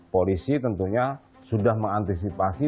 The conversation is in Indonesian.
polisi tentunya sudah mengantisipasi